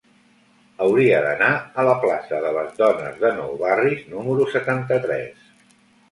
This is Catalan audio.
Hauria d'anar a la plaça de Les Dones de Nou Barris número setanta-tres.